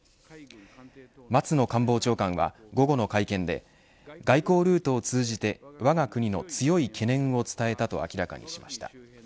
松野官房長官は午後の会見で外交ルートを通じて我が国の強い懸念を伝えたと明らかにしました。